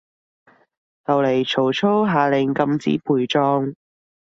後來曹操下令禁止陪葬